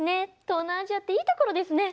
東南アジアっていいところですね。